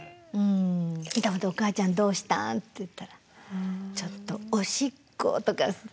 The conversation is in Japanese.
「おかあちゃんどうしたん？」って言ったら「ちょっとおしっこ」とかって。